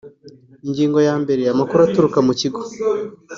Ingingo ya mbere Amakuru aturuka mu Kigo